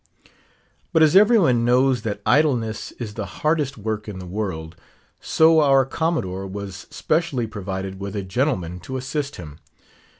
But as everyone knows that idleness is the hardest work in the world, so our Commodore was specially provided with a gentleman to assist him.